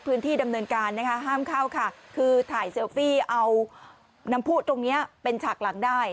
พื้นที่ดำเนินการนะคะห้ามเข้าค่ะคือถ่ายเซลฟี่เอาน้ำผู้ตรงเนี้ยเป็นฉากหลังได้